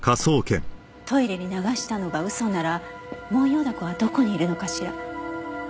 トイレに流したのが嘘ならモンヨウダコはどこにいるのかしら？